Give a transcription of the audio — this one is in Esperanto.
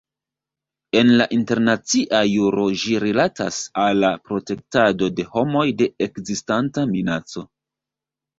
En internacia juro ĝi rilatas al la "protektado de homoj de ekzistanta minaco".